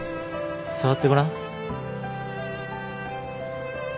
触ってごらん。